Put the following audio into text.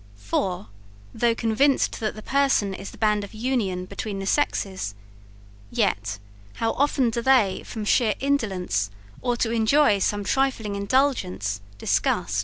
For, though convinced that the person is the band of union between the sexes, yet, how often do they from sheer indolence, or to enjoy some trifling indulgence, disgust?